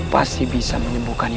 pasti bisa menyembuhkan ibundamu